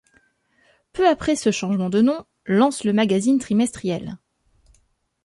Peu après ce changement de nom, ' lance le magazine trimestriel '.